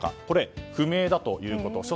これ、不明だということ。